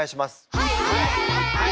はい！